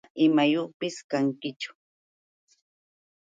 Qam mana imayuqpis kankichu.